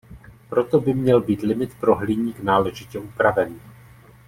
Proto by měl být limit pro hliník náležitě upraven.